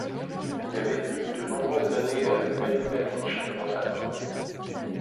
Il a vécu de nombreuses années à Laguna Beach avant sa mort.